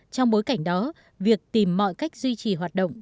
trong bối cảnh đó việc tìm mọi cách duy trì hoạt động